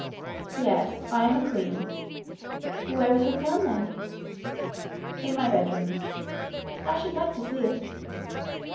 'Yes, I am a queen.' 'Where is your crown, then?' 'In my bedroom.' 'I should like to see it.'